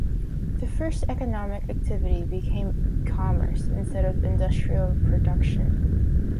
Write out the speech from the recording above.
The first economic activity became commerce instead of industrial production.